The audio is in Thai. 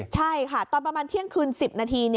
ใช่ค่ะตอนประมาณเที่ยงคืน๑๐นาที